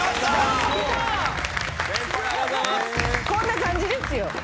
こんな感じですよ。